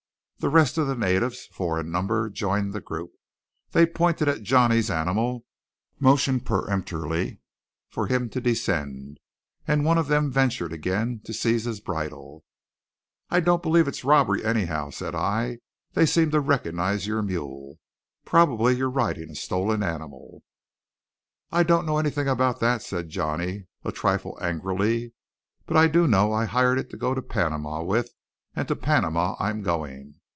The rest of the natives, four in number, joined the group. They pointed at Johnny's animal, motioned peremptorily for him to descend; and one of them ventured again to seize his bridle. "I don't believe it's robbery, anyhow," said I. "They seem to recognize your mule. Probably you're riding a stolen animal." "I don't know anything about that," said Johnny, a trifle angrily, "but I do know I hired it to go to Panama with: and to Panama I'm going.